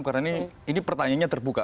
karena ini pertanyaannya terbuka